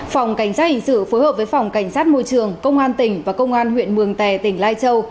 phòng cảnh sát hình sự phối hợp với phòng cảnh sát môi trường công an tỉnh và công an huyện mường tè tỉnh lai châu